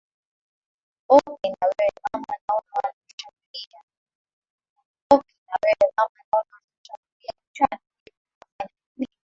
ok na wewe mama naona wanakushambulia kichwani hivi unafanya nini